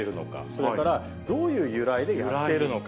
それからどういう由来でやっているのか。